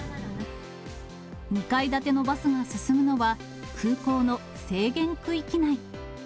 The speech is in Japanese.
２階建てのバスが進むのは、空港の制限区域内。